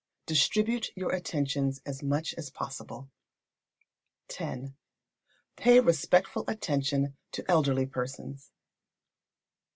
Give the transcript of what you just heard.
Distribute your attentions as much as possible. x. Pay respectful attention to elderly persons.